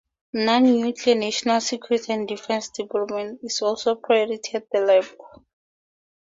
Non-nuclear national security and defense development is also a priority at the lab.